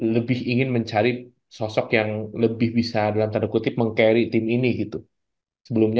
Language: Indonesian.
lebih ingin mencari sosok yang lebih bisa dalam tanda kutip meng carry tim ini gitu sebelumnya